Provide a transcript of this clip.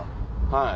はい。